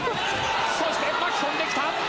そして巻き込んできた。